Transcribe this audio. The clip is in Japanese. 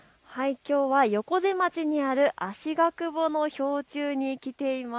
きょうは横瀬町にあるあしがくぼの氷柱に来ています。